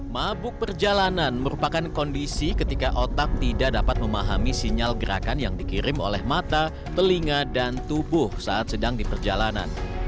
mabuk perjalanan merupakan kondisi ketika otak tidak dapat memahami sinyal gerakan yang dikirim oleh mata telinga dan tubuh saat sedang di perjalanan